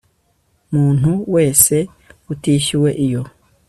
muntu wese utishyuwe iyo